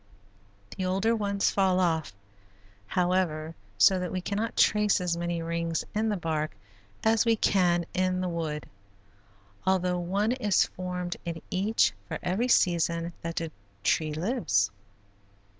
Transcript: The older ones fall off, however, so that we cannot trace as many rings in the bark as we can in the wood, although one is formed in each for every season that the tree lives.